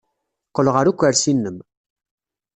Qqel ɣer ukersi-nnem.